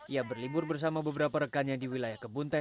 ia berlibur bersama beberapa rekannya di wilayah kebun teh